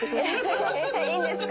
いいんですか？